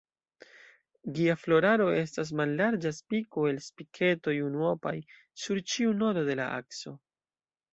Gia floraro estas mallarĝa spiko el spiketoj unuopaj sur ĉiu nodo de la akso.